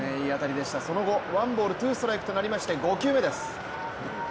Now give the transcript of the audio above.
その後ワンボールツーストライクとなりまして５球目です。